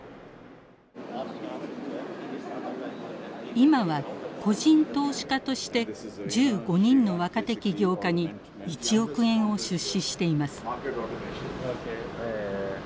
今は個人投資家として１５人の若手起業家に１億円を出資しています。